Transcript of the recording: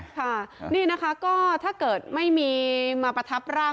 ค่ะนี่นะคะก็ถ้าเกิดไม่มีมาประทับร่าง